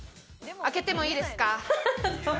開けてもいいですか？